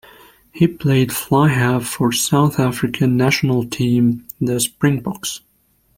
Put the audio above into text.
He played flyhalf for the South African national team, the Springboks.